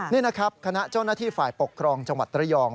นี่นะครับคณะเจ้าหน้าที่ฝ่ายปกครองจังหวัดระยอง